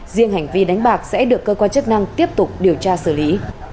riêng hành vi đánh bạc sẽ được cơ quan chức năng tiếp tục điều tra xử lý